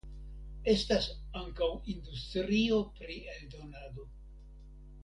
Estas ankaŭ industrio pri eldonado.